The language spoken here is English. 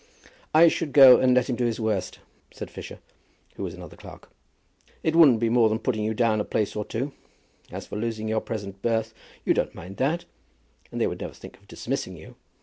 "I should go and let him do his worst," said Fisher, who was another clerk. "It wouldn't be more than putting you down a place or two. As to losing your present berth you don't mind that, and they would never think of dismissing you."